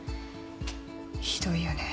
ひどいよね。